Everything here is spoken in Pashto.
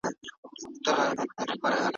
د جنګ د سولي د سیالیو وطن